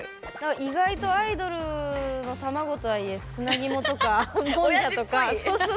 意外とアイドルの卵とはいえ砂肝とか、もんじゃとか。